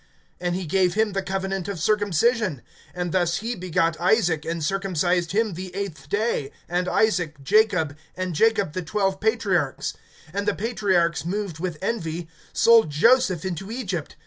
(8)And he gave him the covenant of circumcision; and thus he begot Isaac, and circumcised him the eighth day, and Isaac, Jacob, and Jacob the twelve patriarchs. (9)And the patriarchs, moved with envy, sold Joseph into Egypt.